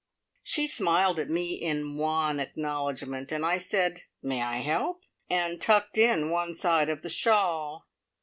She smiled at me in wan acknowledgment, and I said, "May I help?" and tucked in one side of the shawl.